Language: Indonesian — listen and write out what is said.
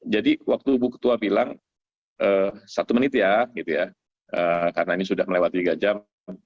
jadi waktu bung ketua bilang satu menit ya karena ini sudah melewat tiga jam